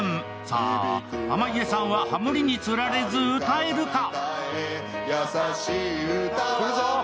さぁ、濱家さんはハモリにつられず歌えるか？